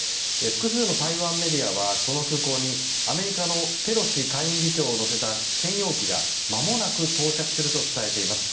複数の台湾メディアはこの空港にアメリカのペロシ下院議長を乗せた専用機がまもなく到着すると伝えています。